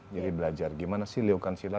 jadi belajar bagaimana sih liukan silat